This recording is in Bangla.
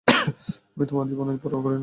আমি আমার জীবনের পরোয়া করি না।